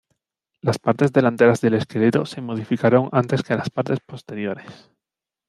Las partes delanteras del esqueleto se modificaron antes que las partes posteriores.